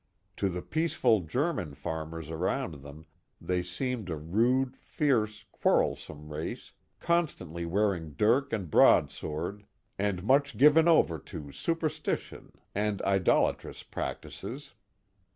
To the peaceful German farmers around them they seemed a rude, fierce, quarrelsome race, constantly wearing dirk and broad sword, and much given over to superstition and idolatrous practices.